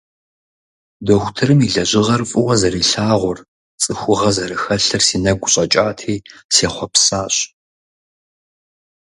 Дохутырым и лэжьыгъэр фӀыуэ зэрилъагъур, цӀыхугъэ зэрыхэлъыр си нэгу щӀэкӀати, сехъуэпсащ.